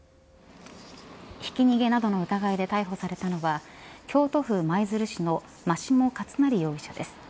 ひき逃げなどの疑いで逮捕されたのは京都府舞鶴市の真下勝成容疑者です。